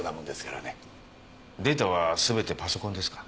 データは全てパソコンですか？